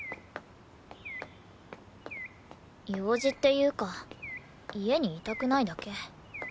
用事っていうか家にいたくないだけ。